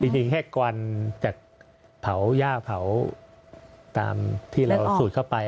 จริงแค่กวันจากเผาย่าเผาตามที่เราสูดเข้าไป